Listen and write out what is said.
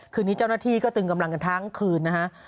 คืนนี้เจ้าหน้าที่ก็ตึงกำลังกันทั้งคืนนะฮะ